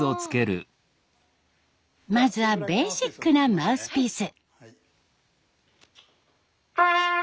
まずはベーシックなマウスピース。